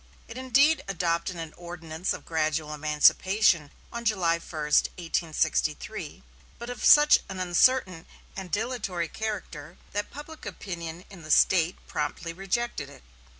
It indeed adopted an ordinance of gradual emancipation on July 1, 1863, but of such an uncertain and dilatory character, that public opinion in the State promptly rejected it.